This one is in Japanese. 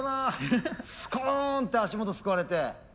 スコンって足元すくわれて。